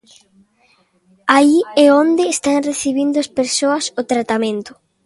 Aí é onde están recibindo as persoas o tratamento.